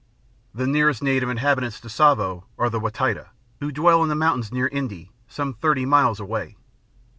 The nearest native inhabitants to Tsavo are the Wa Taita, who dwell in the mountains near N'dii, some thirty miles away.